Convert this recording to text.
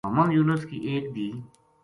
محمدیونس کی ایک دھِی